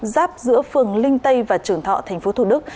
giáp giữa phường linh tây và trưởng thọ thành phố thủ đức